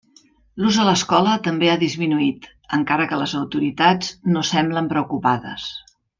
L'ús a l'escola també ha disminuït, encara que les autoritats no semblen preocupades.